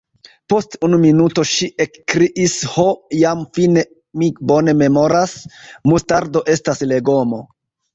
Post unu minuto ŝi ekkriis: "Ho jam fine mi bone memoras: Mustardo estas legomo. »